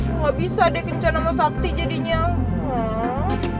gue gak bisa deh kencan sama sakti jadi nyaman